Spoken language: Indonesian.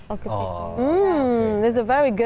oh ini adalah hal yang sangat bagus